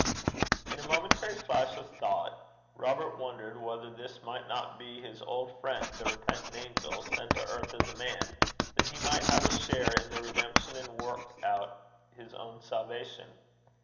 In a momentary flash of thought, Robert wondered whether this might not be his old friend, the repentant angel, sent to earth as a man, that he might have a share in the redemption, and work out his own salvation.